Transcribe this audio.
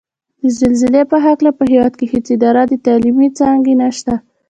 د زلزلې په هکله په هېواد کې هېڅ اداره او تعلیمي څانګه نشته ده